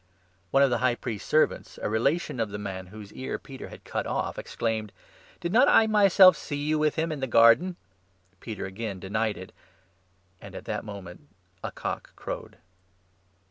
One of the High Priest's servants, a relation of the man whose 26 ear Peter had cut off, exclaimed :" Did not I myself see you with him in the garden ?" Peter again denied it ; and at that moment a cock crowed.